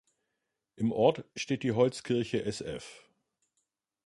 Im Ort steht die Holzkirche "Sf.